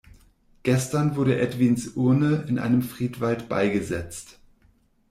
Gestern wurde Edwins Urne in einem Friedwald beigesetzt.